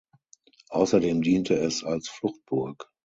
Außerdem diente es als Fluchtburg.